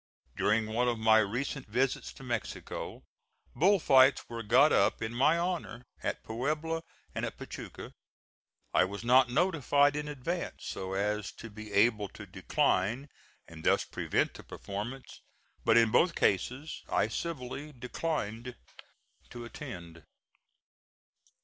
During one of my recent visits to Mexico, bull fights were got up in my honor at Puebla and at Pachuca. I was not notified in advance so as to be able to decline and thus prevent the performance; but in both cases I civilly declined to attend.